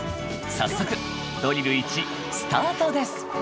早速ドリル１スタートです